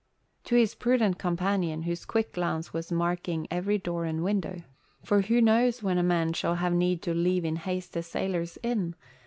To his prudent companion, whose quick glance was marking every door and window, for who knows when a man shall have need to leave in haste a sailor's inn?